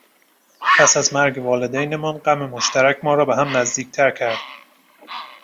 پس از مرگ والدینمان، غم مشترک ما را به هم نزدیکتر کرد.